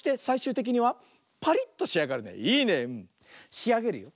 しあげるよ。